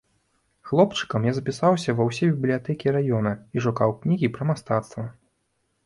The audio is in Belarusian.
Хлопчыкам я запісаўся ва ўсе бібліятэкі раёна і шукаў кнігі пра мастацтва.